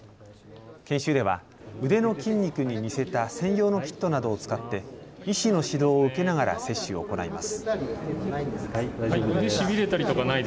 研修では腕の筋肉に似せた専用のキットなどを使って医師の指導を受けながら接種を行います。